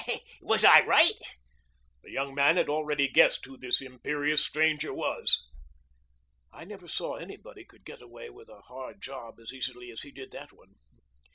Was I right?" The young man had already guessed who this imperious stranger was. "I never saw anybody get away with a hard job as easily as he did that one.